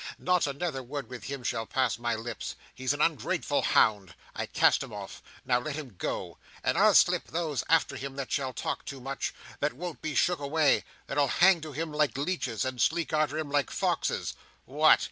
"Not another word with him shall pass my lips. He's an ungrateful hound. I cast him off. Now let him go! And I'll slip those after him that shall talk too much; that won't be shook away; that'll hang to him like leeches, and slink arter him like foxes. What!